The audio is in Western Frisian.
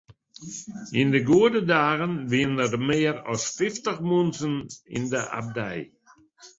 Yn de goede dagen wiene der mear as fyftich muontsen yn de abdij.